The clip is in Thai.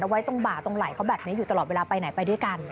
ไว้ตรงบ่าตรงไหล่เขาแบบนี้อยู่ตลอดเวลาไปไหนไปด้วยกัน